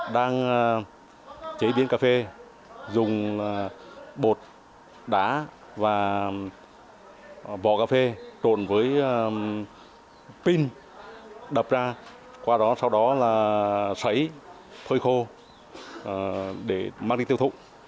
đang chế biến cà phê dùng bột đá và vỏ cà phê trộn với pin đập ra qua đó sau đó là sấy phơi khô để mang đi tiêu thụ